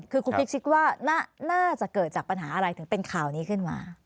คือคุณพลิกคิดว่าน่าจะเกิดจากปัญหาอะไรถึงเป็นข่าวนี้ขึ้นมา